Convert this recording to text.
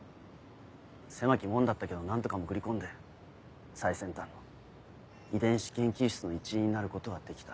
狭き門だったけど何とか潜り込んで最先端の遺伝子研究室の一員になることができた。